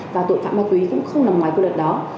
và tội phạm ma túy cũng không nằm ngoài quy luật đó